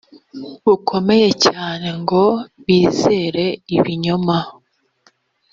bukomeye cyane ngo bizere ibinyoma